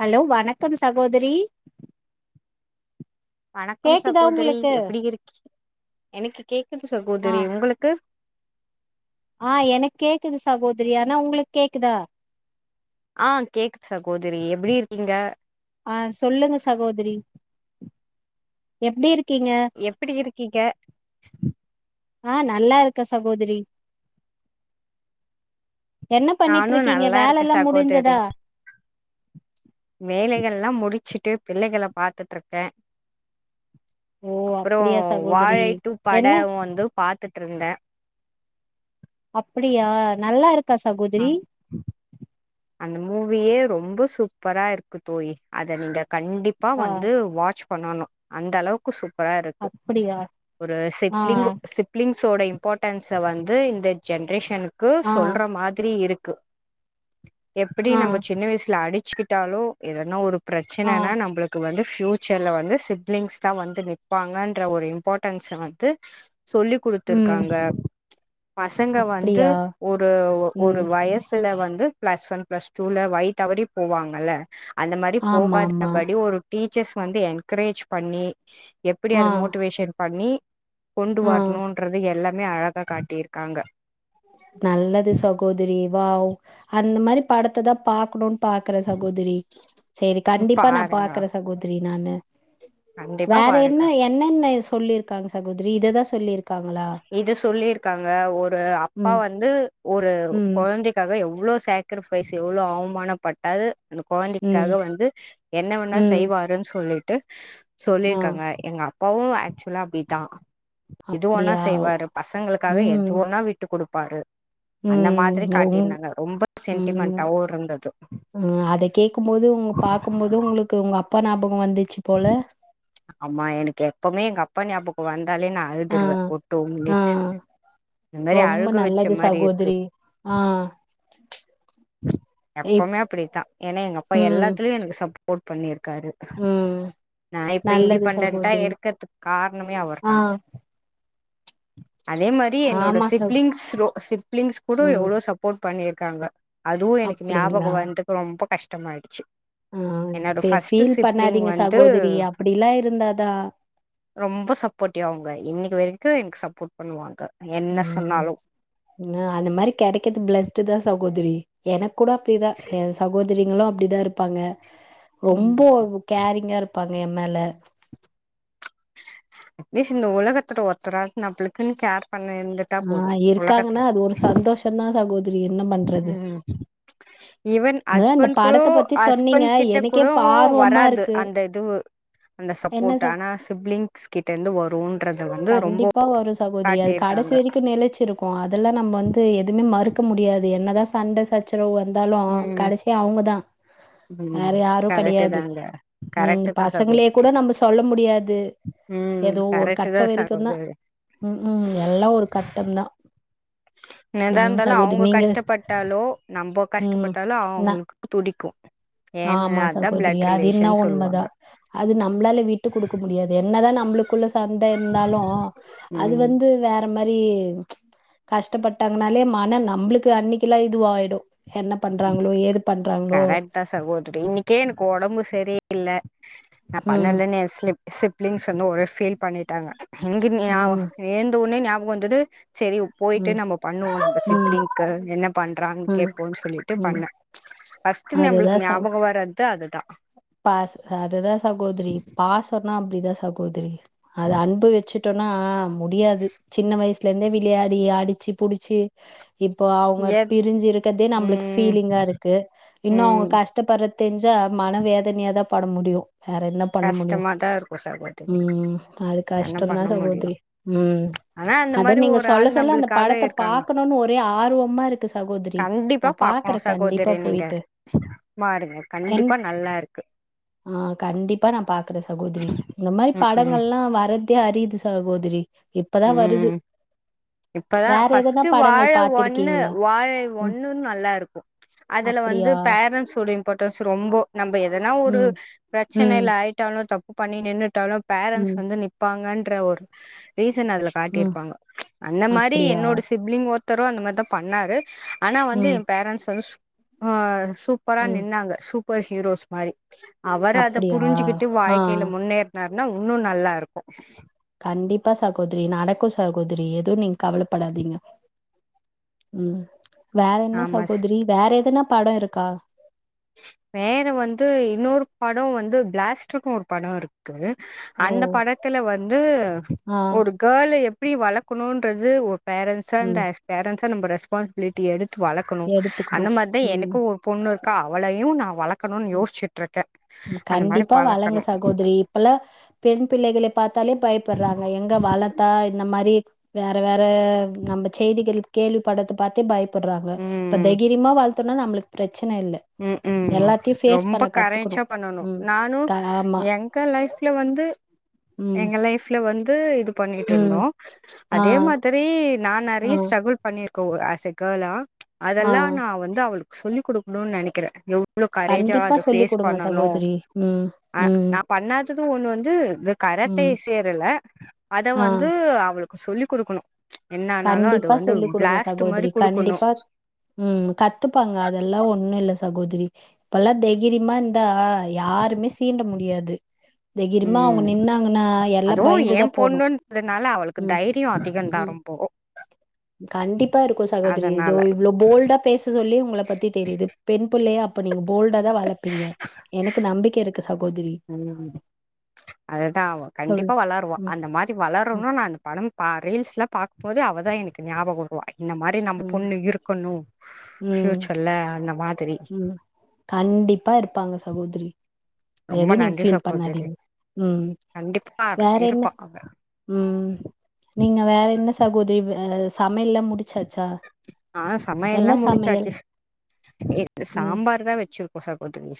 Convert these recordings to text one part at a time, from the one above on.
Hello வணக்கம் சகோதரி வணக்கம் கேக்குதா சகோதரி உங்களுக்கு எப்டி இருக்கி எனக்கு கே க்குது ஆ சகோதரி உங்களுக்கு ஆ எனக்கேக்குது சகோதரி ஆனா உங்களுக்கேக்குதா ஆ கேக்கு ஆ சொல்லுங்க சகோதரி எப்படி இருக் எப்படி இருக்கீங்க ஆ நல்லா இருக்க சகோதரி என்ன பண்ணிட்டு நானு இருக்கீங்க நல்லா வேலை இருக்கே எல்லாம் முடிஞ்சதா வேலைகல்லாம் முடிச்சிட்டு பிள்ளைகளை பாத்துட்டு இருக்கேன் ஓ அப்புறம் அப்டியா சகோதரி வாழை டூ என்ன படம் வந்து பாத்துட்டு இருந்தேன் அப்படியா நல்லா இருக் கா அ சாகோதரி அந்த மூவியே ரொம்ப சூப்பரா இருக்கு தோழி அத நீங்க கண்டிப்பா ஆ வந்து வாட்ச் பண்ணணும் அந்த அளவுக்கு சூப் பாருக்கு அப்டியா ஒரு ஆ சிப்ளிங்க் சிப்ளிங்க்ஸ் ட இம்பார்ட்டன்ஸ் வந்து இந்த ஜென்ரேஷனுக்கு ஆ சொல்ற மாதிரி இருக்கு கு எப்படி ஆ நம்ம சின்ன வயசுல அடிச் ச்சுக்கிட்டாலும் எதன்ன ஒரு ஆ பிரச்சனைனா நம்மளுக்கு வந்து ஃபியூச்சர்ல வந்து சிப்லிங்ஸ் தான் வந்து நிப்பாங்கன்ற ஒரு இம்பார்ட்டன்ஸ் வந்து சொல்லி ம் குடுத்துருக்காங்க பசங்க வந்து அப்டியா ஒரு ஒரு ம் வயசுல வந் வந்து ப்ளஸ் ஒன் ப்ளஸ் டூல வழிதவறி போவாங்கல்ல அந்த மாரி ஆமா ஆமா போகாதபடி ஒரு டீச்சர்ஸ் வந்து என்கரேஜ் பண்ணி எப்டி ஆ அது மோட்டிவேஷன் பண்ணி கொண்டு ஆ வரணுன்றது எல்ல மே அழகா காட்டியிருக்காங்க நல்லது சகோதரி வாவ் அந்த மாரி படத்த தா பாக்கணோன் பாக்குற சகோதரி சேரி கண்டிப்பா நா பாருங்க பாக்குற சகோதரி நானு கண்டிப்பா வேற பாருங்க என்ன என்னன்ன சொல்லிருக்காங்க சகோதரி இததா சொல்லிரு இத சொல்லிருக்காங்க ஒரு அப் பா ம், வந்து ஒரு ம், கொழந்தைக்காக எவ் ளோ சேக்ரிஃபைஸ் எவ்ளோ அவமானப்பட்டாது அந்த ம், கொழந்தைக்காக வந்து என்ன வேணா ம். செய்வாருன் சொல்லிட் டு ஆ சொல்லியிருக்காங்க எங்க அ ப்பாவு ஆக்சுவலா அப்டிதா எது வேணா அப்டியா செய்வாரு பசங்களுக்காக எதுவுன்னா விட்டு குடு ப்பாரு உம் உங் ரொம்ப உம் சென்டிமெண்டாவு இருந்தது உம் அத கேக்கும்போது உங்க பாக்கம்போது உங்களுக்கு உங்க அப் பா ஞாபொ கொ வந்துச்சி போல ஆமா எனக்கு எப்பமே எங்க அப்பா ஞாபகொ வந் தாலே நா ஆ, அழுதுருவ ஒரு டூ ஆ. மினிட்ஸ் இந்த மாரி ரொம்ப அழுக வச்ச நல்லது மாரி இருக்கு சகோதரி. ஆ, இப் எப்பவுமே அப்டித்தா ஏன்னா எங்க அப்பா ம், எல்லாத்துலயு எனக் சப் போட் பண்ணிரு க்காரு ம். நா இப்ப நல்லது இண்டிபெண்டன்ட்டா சகோதரி. இருக்கத்துக் கார்ணமே ஆ அவர்தா அதே மாரி என்னோட ஆமா ச சிப்லிங்ஸ் ரொ சிப்லிங்ஸ் கூட ம் எவ்ளோ சப்போட் பண்ணிருக்காங்க அதுவு எனக்கு அப்டிங்களா ஞாபகொ வந்ததுக் ரொம்ப கஷ் கஷ்டமாச்சு ஆ என்னோட சரி ஃபஸ்ட் ஃபீல் சிப்லிங் பண்ணாதீங்க வந்து சகோதரி அப்டிலா இருந்தாதா ரொம்ப சப்போர்ட்டிவ் அவங்க இன்னைக்கு வரை க்கு எனக்கு சப்போர்ட் பண்ணுவாங்க ம் சொன்னாலு ஆ அந்த மாரி கிடைக்கிறது பிளஸ்ட்டு தான் சகோதரி எனக் கூட அப்டி தா என் சகோத ங்களும் அப்படிதான் இருப்பாங்க ம் ரொம்ப கேரிங்கா இருப் பப்பாங்க எம் மேல அட்லீஸ்ட் இந்த உலக்குத்த ஒருத்தரா நம்பளுக்குன்னு கேர் பண்ண இருந்துட்டா போது ஆ உலகத்துல இருக்காங்கன்னா அது ஒரு சந்தோஷம்தான் சகோ ம் ஈவன் இந்த இந்த ஹஸ்பண்ட் கூட படத்த பத்தி சொன்னீங்க ஹஸ்பண்ட் கிட்ட எனக்கே கூட ஆர்வமா வராது இருக்கு அந்த இது அந்த என்ன சப்போர்ட் சகோ ஆனா சிப்லிங்ஸ் கிட்ட இருந்து வரும் கண்டிப்பா வரும் சகோதரி அது கடசி வரைக்கு நெலச்சு இருக்கு அதெல்லா நம்ப வந்து எதுவுமே மறு க்கு முடியாது என்னதா சண்ட சச்சரவு இருந்தாலு ம் கடைசியா அவங்கதா ம் வேற யாரு கரெக்ட் கெடையாது தாங்க ம் கரெக்ட் தா பசங்களே சகோதரி கூட நம்ப சொல்ல முடியாது ம் ஏதோ ஒரு கரெக்ட் கட் கட்ட தா வரைக்கு தா சகோதரி ம் ம் எல்லா ஒரு கட்டம் தா என்னதா ம் இருந்தாலு சகோத் அவங்க நீங்கஷ் கஷ்டப்பட்டாலோ நம்ம ம் கஷ்டப்பட்டாலோ மா அவங்களுக்கு துடிக்கு ஏன்னு ஆமா அதா சகோதரி பிளட் அது என்ன ரிலேஷன் உண்ம சொல்லுவாங்க தான் அது நம்மளால விட்டு கொடுக்க முடியாது என்னதா நம்மளுக்குள்ள சன் ந்தாலு அது ம் வந்து வேற இம்மாரி ம்ச் கஷ்ட்டபட்டாங்கனாலே மன நம்ளுக்கு அன்னிக்லா இதுவாய்டு என்ன பண்றாங்களோ ஏது பண்றாங்களோ கரெட் தான் சகோதிரி இன்னைக்கே எனக்கு ஒடம்பு சரி இல்ல நா ம் பண்ணலனே சிலிப் சிப் ப்லிங்ஸ் சொன்ன ஒனே ஃபீல் பண்ணிட்டாங்க [unintelligible] ம் ஏந்தவுனே ஞாபகம் வந் [unintelligible] சேரி பொய்ட்டு ம் நம்ப பண்ணுவோ நம்ப ம் சிப்லிங்க்கு என்ன பண்றாங்க ம் கேப்போன்னு சொல்லிட்டு ம் பண்ண அதுதா நம்ளுக்கு சகோ ஞாபகம் வராது த்தா அதுதா பாச அதுதா சகோதிரி பாசம்ன்ன இதா சகோதிரி அது அன்பு வெச்சுட் ட்டனா முடியாது சின்ன வயஸ் வீட்ல இருந்தே விளையாடி அடிச்சி புடிச்சி இப்போ அவங்க ஏ பிரிஞ்சி இருக்கிறதே நமக்கு ம் ஃபீலிங்கா இருக்கு இன்னும் ம் அவங்க கஷ்டப்படுறது தெஞ்ஜா மனவேத தனிய தா பாட முடியு வேற என்ன பண்ண முடியு கஷ்டமாதா இருக்கு சகோதரி உம் அது என்ன கஷ்டம் பண்ண தான் முடியு [unintelligible] உம் ஆனா அந்த அது மாரி நீங்க ஒரு சொல்ல ஆள் சொல்ல கஷ்டமா இருக்கு சகோதரி அந்த நம்மளுக்காக படத்த இருக்காங்க பாக்கணும்னு ஆர்வமா இருக்கு சகோதரி கண்டிப்பா நான் பாக்குற பாக்கணு கண்டிப்பா சகோதரி நீங்க போயிட்டு பாருங்க என் கண்டிப்பா நல்லா இருக்கு ஆஹ் காது இப்ப நா பாக்குற சகோதிரி இந்த மாரி ம் படங்கள்லா வரத் த்யா அறியுது சகோதிரி உம் இப்பதா வேற எதனா ஃபர்ஸ்ட்டு வாழ படங்கள் ஒன்னு பாத்திருக்கீங்களா? வாழை ம். ஒன்னுன்னு நல்லாருக்கு அதுல வந்து அப்படியா? பேரன்ஸோட இம்பார்ட்டன்ஸ் ரொம்போ நம்ம எதனா ஒரு ம். ம். பிரச்சனைல ஆயிட் தப்பு பண்ணி நின்னுட்டாலும் பேரன்ட்ஸ் ம். வந்து நிப்பாங்கன்னு டன்ற ஒரு ரீசன் அதுல ம். காட்டிருப்பாங்க அந்த மாதிரி அப்படியா? என்னோட சிப்லிங் ஒத் தரும் அந்த மாதிரி தான் பண்ணாரு ஆனா வந்து ம். என் பேரண்டட்ஸ் ஆஹ் சூப்பரா ம். நின்னாங்க சூ ப்பர் ஹுரோஸ் மாரி அவர் அத அப்படியா? புரிஞ்சுகிட்டு ஆ. வாழ்க்கையில முன்னேறுனாரு ன்னா இன்னும் நல்லா இருக்கும் கண்டிப்பா சகோதரி நடக்கும் சகோதரி எதுவும் நீங்க கவலைப்படாதீங்க உம் வேற என்ன ஆமா சி சகோதிரி வேற எதனா படம் இருக்கா வேற வந்து இன்னொரு படம் வந்து பிளாஸ்டருன்னனு ஒரு படம் இருக்கு அந்த ஓ! படத்துல வந்து ஆ ஒரு கேர்ள் எ எப்படி வளர்க்கணுன்றது ஒ பேரன்ட்ஸ் ஆ ம் அஸ் பேரன்ஸ் நம்ம ரெஸ்பான்சிபிலிட்டி எடுத்து வளக்கணும் எடுத்துக்கணு அந்த மாதிரிதான் ம் ம் எனக்கும் ஒரு பொண்ணு இரு அவளயு நா வளக் கண்டிப்பா வளங்க வளக்கணு சகோதரி இப்பல்லா பெண் பிள்ளைகள பாத்தாலே பயப்பட்றாங்க எங்க வளத்தா இந்த மாரி வேற வே ற நம்ம செய்திகள் கேள்விபடற்த்த பாத்து பய பட்றாங்க இப்ப தகிரிமா வளத் துனா நம்ளுக் பிர உம் உம் ரொம்ப பண்ண கத்துக்கணு கரேன்ச்சா பண்ணணு ம் நானு க ஆமா எங்க லைஃப்ல வந்து ம் எங்க லைஃப்ல வந்து இது ம் பண்ணிட்ருந்தோ ஆ அதே மாதிரி நா ஆ நெறைய ஸ்ட்ரகுள் பண்ணிர்க் கோ ஆஸ் அ கேர்ளா ஆ அதெல்லா நா வந்து அவளுக் சொல்லி் குடு க்ணு நனைக்கிறே வ்ளோ கரேஜா கண்டிப்பா அத சொல்லி ஃபேஸ் குடுங்க பண்ணணு சகோதரி ம் அ ம் நா பண்ணாதது ஒன்னு வந்து இந்த கராத்தே ம் சேரல அத ஆ வந்து அவளுக் சொல்லி் குடுக்கணு என்ன ஆனாலு அது கண்டிப்பா வந்து சொல்லி குடுங்க பிளாஸ்ட் சகோதரி மாரி குடுக்கணு கண்டிப்பா உம் கத்துப்பாங்க அதெல்லா ஒன்னுல்ல சகோதிரி இப்பல்லா தகிரிமா [unintelligible] தா யாருமே சீண்ட முடியாது தெகிரிமா அவங்க ம் நின்னாங்கன்னா எல்லா அதுவு பயந்து ஏ தா போணு பொண்ணுன்றதுனால அவளுக்கு தைரியோ அதிகந்தா ரொம்போ கண்டிப்பா இருக்கு சகோதரி இதோ அதனால இவ்ளோ போல்டா பேச சொல்லி உங்கள பத்தி தெரியுது பெண் பிள்ளைய அப்ப நீங்க போல்டா தா வளப்பீங்க எனக்கு நம்பிக்க இருக்கு சகோதரி. உம் அது தா அவ சொல்லு. கண்டிப்பா வளர்வா ம், அந்த மாரி ம், வளரனுன் நானு பனம் பா ரீல்ஸ்லா பாக்கும்போது அவ தா எனக்கு ஞாபகோ வர்வா இந்த மாரி நம்ம ம், பொண்ணு இருக்கணு ஃப்யூச்சர்ல அந்த மா உம் கண்டிப்பா இருப்பாங்க சகோதிரி ரொம்ப எது நீங் நன்றி ஃபீல் சகோதரி பண்ணாதீங் கண்டிப்பா வேற என்ன இருப்பா அவ நீங்க வேற என்ன சகோதரி [unintelligible] சமையல்லா முடிச்சாச்சா ஆ என்ன சமையல்லா சமையல் முடிச்சாச்சு ம். சாம்பார் தா வெச்சிருக்கோ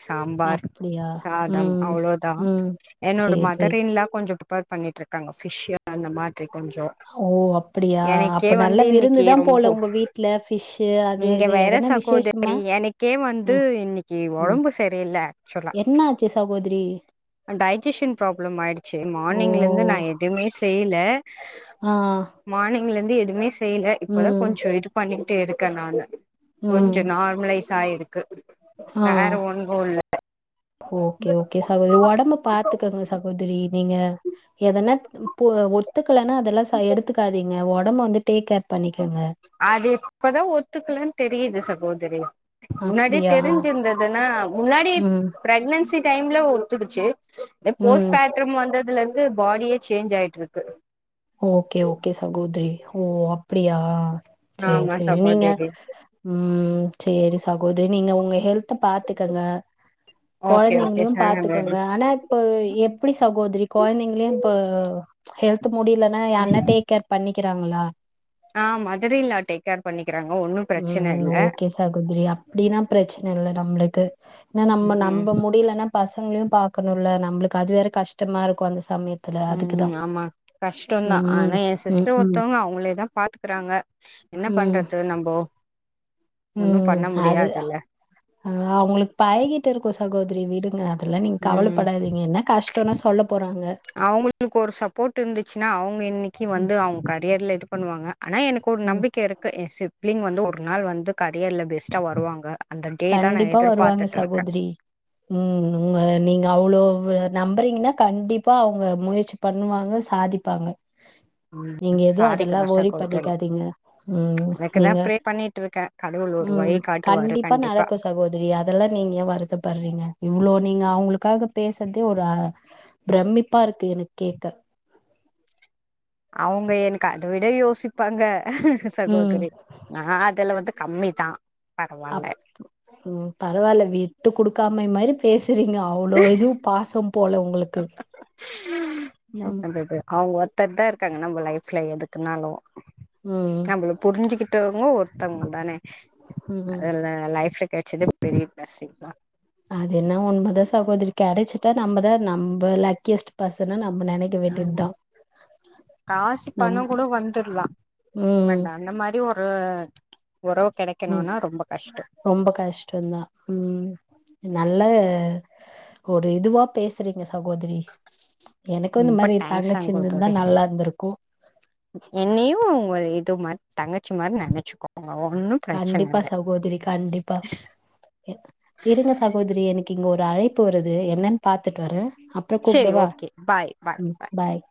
சாம்பார், அப்படியா? சாதம் ம். அவ்வளோ தா ம். என்னோட சரி, சரி. மதர் இன் லா கொஞ்சோ ப்ரிப்பேர் பண்ணிட்ருக்காங்க ஃபிஷ் அந்த மாதிரி கொஞ்சோ ஓ அப்படியா எனக்கே அப்ப நல்லா வந்து விருந்து இன்னைக்கு தா ரொம்போ போல உங்க வீட்ல ஃபி நீங்க வேற சகோதரி எனக்கே வந்து ம், இன்னைக்கி ம். ஒடம்பு சரியில்ல ஆக்சுலா என்ன ஆச்சு சகோதரி? டைஜிஷின் ப்ராப்ளம் ஆயிடுச்சு மார்னிங்ல இருந்து நா எதுவுமே செய்யில ஆஹ் ங்குலேந்து எதுமே செய்யில இப்பதா கொஞ்சோ இது பண்ணி ட்டே இருக்கே நானு ம். கொஞ்ச நார்மலைஸ் ஆயிருக் கு ஆ. வேற ஒன்னுல்ல ஓகே ஓகே சகோ உங்க ஒடம்ப பாத்துக்கங்க சகோதரி நீங்க எதன்னா இப்போ ஒத்துக்கலன்னா அதெல்லாம் சா எடுத்துக்காதீங்க ஒடம்பு வந்து டேக் கேர் பண்ணிக் அது இப்பதா ஒத்துக்கலன்னனு தெரியுது சகோதரி முன்னாடி அப்படியா? தெரிஞ்சிருந்ததுன்னா முன்னாடி ம். ப்ரக்னன்சி டைம்ல ஒத்துக்குச்சு இந்த போஸ் ம் பேட்ரம் வந்ததுலேருந் ந்து பாடியே சேஞ்ச் ஆயிட்டு இருக்கு ஓகே ஓகே சகோதிரி ஓ அப்புடியா செரி ஆமா செரி நீங்க சகோதரி உம் செரி சகோத நீங்க உங்க ஹெல்த பாத்துக்கங்க ஓகே ஓகே கொழந்தைங்களியும் சகோதரி பாத்துக்கோங்க ஆனா இப்ப எப்டி சகோதரி கொழந்தைங்களியும் இப்போ ஹெல்த்ப் இல்லனா யார்னா டேக் கேர் பண்ணி க்கிறாங்களா ஆஹ் mother in law take care பண்ணி உம் ஓகே சகோதிரி அப்டின்னா ப்ரச்சன இல்ல நம்ளுக்கு ஏன்னா நம்ம ம் நம்ம முடியிலன்னா ப சங்களையும் பாக்குணு இல்ல நம்மளுக்கு அது வேற கஷ்டமா இருக்கு அந்த சமயத்துல அதுக்குதா உம் ஆமா கஷ்டம்தா ம் ஆனா என் ம் சிஸ்டர் ம் ஒருத்தவங்க அவ்ங்ளே தா பாத்துக்குறாங்க என்ன ம் பண்றது நம்போ ஒன்னு பண்ண முடியாதுல்ல ஆஹ் அவ்ங்களுக்கு பழகிட்ட இருக்கு சகோதரி விடுங்க அதெல்லாம் நீங்க ம் கவலப்படாதீங்க என்ன கஷ்டோனா சொல்ல போறாங்க அவங்களுக்கு ஒரு சப்போர்ட் இருந்துச்சுன்னா அவுங் இன்னைக்கு ம், வந்து அவுங்க கரியர்ல இது பண்ணுவாங்க ஆனா எனக்கு ஒரு ம். நம்பிக்க இருக்கு எ சிப் பிளிங் வந்து ஒரு நாள் வந்து கரியர்ல பெஸ்ட்டா வருவாங்க அந்த டே தா நா கண்டிப்பா வருவாங்க எதிர்பாத்துட்டு இருக்கே சகோதரி உம் உங்க நீங்க அவ்ளோ நம்புறீங்கன்னா கண்டிப்பா அவங்க முயற்சி பண்ணுவாங்க சாதிப்பாங்க நீங்க உம் எதுவும் சாதிக்க அதெல்லாம் நஷா ஒரி கோத்தாரி பண்ணிக்காதீங்க. ம். அதுக்குதா நீங்க ப்ரே பண்ணிட்டு இருக்கே கடவுள் ஒரு வழி காட்டுவாருனு ப்ப நடக்கு சகோதரி அதெல்லா நீங்க வருத்தப்படுறீங்க இவ்வளோ நீங்க அவங்களுக்கு க்காக பேசறதே ஒரு பிரமிப்பா இருக்கு எனக்கு கேக்க அவங்க எனக்கு அத விட யோசிப்பாங்க ம். சகோதரி நா அதுல்ல வந்து கம்மி தா அப் உம் பரவால்ல விட்டு குடுக்காம அம்மை மாதிரி பேச சரிங்க அவ்ளோ எதும் பாசம் போல உங்களுக்கு உம் தத்தா இருக்காங்க நம்ம லைஃப்ல எதுக்குனாலும் ம் நம்மள புரிஞ்சுகிட்டவங்க ஒரு தங்கந்தானே ம் அதல்ல லைஃப் ல கெடச்சதே பெரிய ப்ளஸ் இது தா கெடைச்சிட்டா நம்மதா நம்ம லக்கியஸ்ட் பர்சன நம்ம நெனைக்க வேண்டியதுதா காசு நம் பணங் கூட வந்துர்லா வேண்டா அந்த மாரி ஒரு உறவு உம் கெடைக்கணுனா ரொம்ப கஷ்டோ ரொம்ப கஷ்டந்தான் உம் ந நல்ல ஒரு இதுவா பேசுற சகோதரி எனக்கு இந்த ரொம்ப மாரி தேங்க்ஸ் தங்கச்சி இருந்துருந்தா சகோதரி நல்லாருந்துருக்கு து மாரி தங்கச்சி மாரி நெனச்சுக்கோ கண்டிப்பா சகோதரி கண்டிப்பா இ இருங்க சகோதரி எனக்கு இங்க ஒரு ஒரு அழைப்பு வருது என்னன்னு பாத்துட்டு வர அப்பர செரி கூப்டவா ஓகே பாய் பாய் ம் பாய்